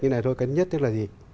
như này thôi cái nhất tức là gì